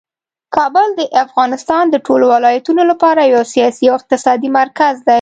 کابل د افغانستان د ټولو ولایتونو لپاره یو سیاسي او اقتصادي مرکز دی.